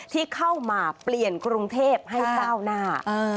ที่เข้ามาเปลี่ยนกรุงเทพให้ก้าวหน้า